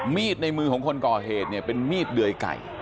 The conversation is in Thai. ในมือของคนก่อเหตุเนี่ยเป็นมีดเดยไก่